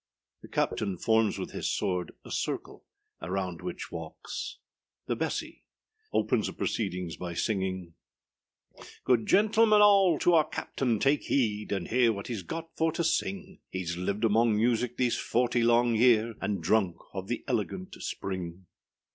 The CAPTAIN forms with his sword a circle, around which walks. The BESSY _opens the proceedings by singing_â GOOD gentlemen all, to our captain take heed, And hear what heâs got for to sing; Heâs lived among music these forty long year, And drunk of the elegant spring.